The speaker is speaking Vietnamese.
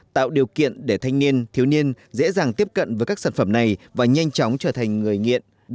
tạo điều kiện để thanh niên thiếu niên dễ dàng tiếp cận với các sản phẩm này và nhanh chóng trở thành người nghiện